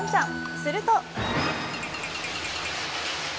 すると。